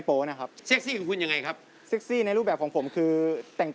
ผมใส่ไปพี่มีค้าง